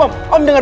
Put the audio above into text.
om om jangan